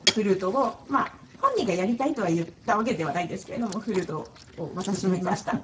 まあ本人がやりたいとは言ったわけではないんですけれどもフルートを渡してみました。